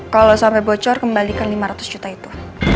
kalau sampai bocor kembalikan lima ratus juta itu